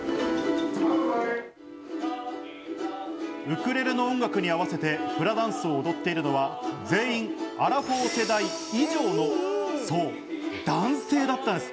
ウクレレの音楽に合わせてフラダンスを踊っているのは全員アラフォー世代以上の、そう男性だったんです。